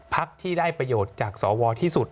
พักที่ได้ประโยชน์จากสวที่สุด